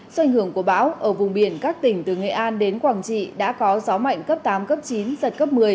do ảnh hưởng của bão ở vùng biển các tỉnh từ nghệ an đến quảng trị đã có gió mạnh cấp tám cấp chín giật cấp một mươi